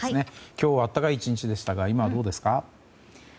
今日は暖かい１日でしたが今はどうですか？